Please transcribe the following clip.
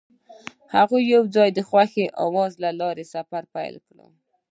هغوی یوځای د خوښ اواز له لارې سفر پیل کړ.